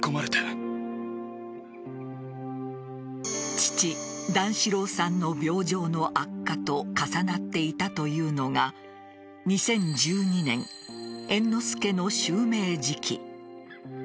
父・段四郎さんの病状の悪化と重なっていたというのが２０１２年、猿之助の襲名時期。